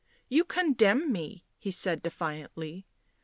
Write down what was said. " You condemn me," he said defiantly.